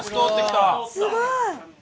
すごい！